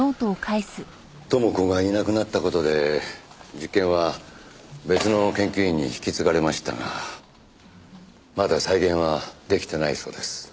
知子がいなくなった事で実験は別の研究員に引き継がれましたがまだ再現は出来てないそうです。